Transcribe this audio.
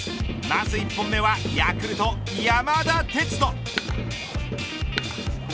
まず１本目はヤクルト、山田哲人。